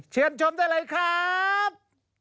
เชิญชมได้เลยครับ